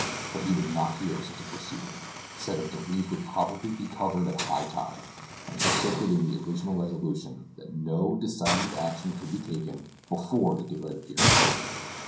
But he would not hear of such a proceeding, said that the reef would probably be covered at high tide, and persisted in the original resolution, that no decided action could be taken before the daylight appeared.